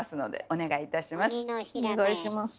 お願いします。